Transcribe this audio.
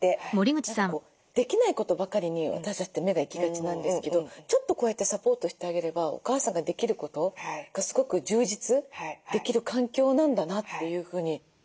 何かできないことばかりに私たちって目が行きがちなんですけどちょっとこうやってサポートしてあげればお母さんができることがすごく充実できる環境なんだなっていうふうに。